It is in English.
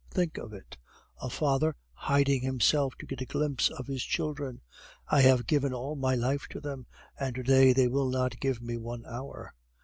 Think of it! a father hiding himself to get a glimpse of his children! I have given all my life to them, and to day they will not give me one hour!